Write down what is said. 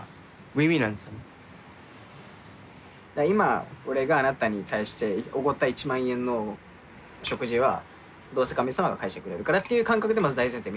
今俺があなたに対しておごった１万円の食事はどうせ神様が返してくれるからっていう感覚でまず大前提